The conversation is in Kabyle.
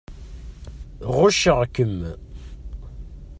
Ɣucceɣ-kem.